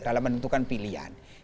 dalam menentukan pilihan